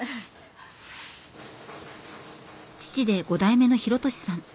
父で５代目の弘智さん。